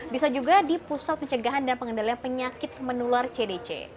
bisa juga di pusat pencegahan dan pengendalian penyakit menular cdc